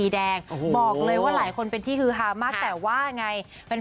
แดงบอกเลยว่าหลายคนเป็นที่ฮือฮามากแต่ว่าไง